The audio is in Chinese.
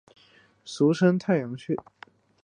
俗称太阳穴。